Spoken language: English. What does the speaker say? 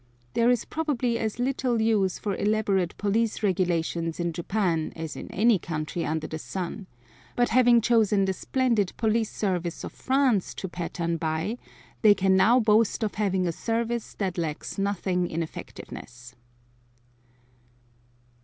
There is probably as little use for elaborate police regulations in Japan as in any country under the sun; but having chosen the splendid police service of France to pattern by, they can now boast of having a service that lacks nothing in effectiveness.